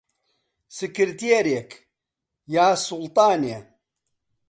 سکرتێرێک... یا سوڵتانێ